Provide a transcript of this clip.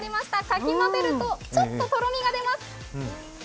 かき混ぜると、ちょっととろみが出ます。